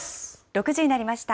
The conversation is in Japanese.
６時になりました。